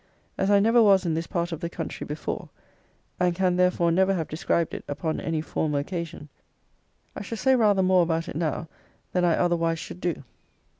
As I never was in this part of the country before, and can, therefore, never have described it upon any former occasion, I shall say rather more about it now than I otherwise should do.